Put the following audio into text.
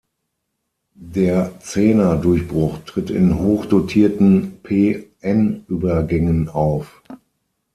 Der Zener-Durchbruch tritt in hochdotierten p-n-Übergängen auf.